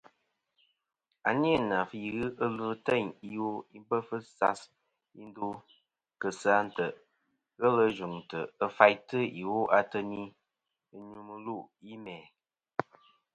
À nî nà fî ghɨ ɨlvɨ ta iwo i bef ɨ isas ì ndo kèsa a ntèʼ ghelɨ yvɨ̀ŋtɨ̀ ɨ faytɨ ìwo ateyn ɨ nyvɨ mɨlûʼ yi mæ̀.